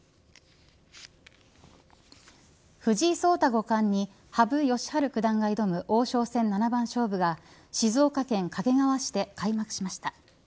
藤井聡太五冠に羽生善治九段が挑む王将戦七番勝負が静岡県掛川市で開幕しました。